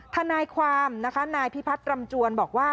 ทนายความนะคะนายพิพัฒน์รำจวนบอกว่า